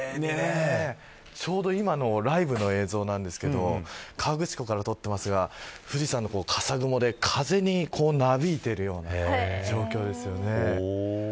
ちょうど今のライブの映像ですが河口湖から撮っていますが富士山の方は、かさ雲で風になびいているような状況ですね。